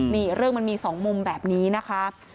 นี่เรื่องมันมี๒มุมแบบนี้นะคะ